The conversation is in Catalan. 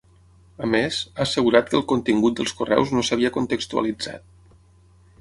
A més, ha assegurat que el contingut dels correus no s’havia contextualitzat.